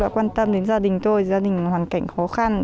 quan tâm đến gia đình tôi gia đình hoàn cảnh khó khăn